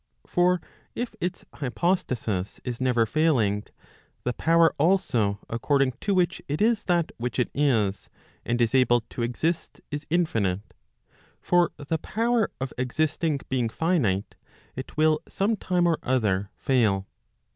For if its hypostasis is never failing, the power also according to which it is that which it is, and is able to exist, is infinite. For the power of existing being finite, it will some time or other fail.